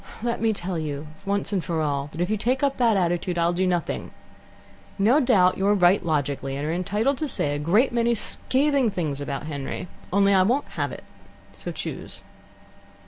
"Let me tell you once for all that if you take up that attitude, I'll do nothing. No doubt you're right logically, and are entitled to say a great many scathing things about Henry. Only, I won't have it. So choose.